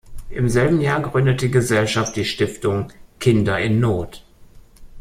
Im selben Jahr gründet die Gesellschaft die Stiftung „Kinder in Not“.